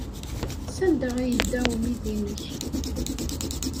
Sanda ay yedda umidi-nnek?